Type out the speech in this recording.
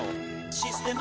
「システマ」